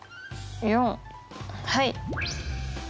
はい。